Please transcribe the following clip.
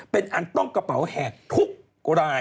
เป็นอันต้องกระเป๋าแหกทุกราย